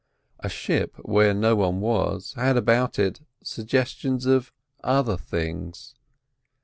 A ship where no one was had about it suggestions of "other things."